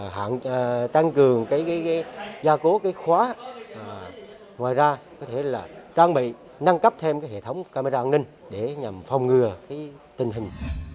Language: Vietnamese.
hạn tăng cường gia cố khóa ngoài ra có thể là trang bị nâng cấp thêm hệ thống camera an ninh để nhằm phòng ngừa tình hình